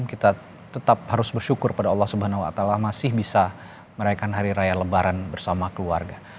kita tetap harus bersyukur pada allah swt masih bisa merayakan hari raya lebaran bersama keluarga